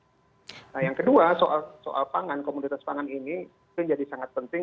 nah yang kedua soal pangan komunitas pangan ini itu jadi sangat penting